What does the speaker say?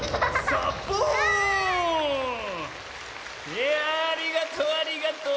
いやありがとうありがとう。